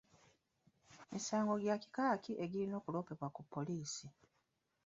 Misango gya kika ki egirina okuloopebwa ku poliisi?